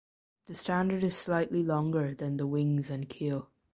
The standard is slightly longer than the wings and keel.